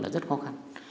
là rất khó khăn